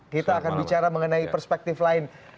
kita akan bicara mengenai perspektif lain